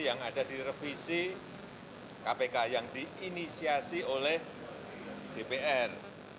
yang ada di revisi kpk yang diinisiasi oleh dpr